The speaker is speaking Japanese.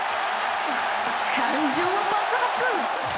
感情爆発。